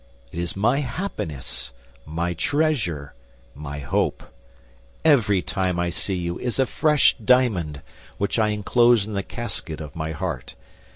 It is my happiness, my treasure, my hope. Every time I see you is a fresh diamond which I enclose in the casket of my heart.